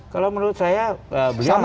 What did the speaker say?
kalau menurut saya beliau